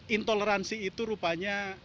intoleransi itu rupanya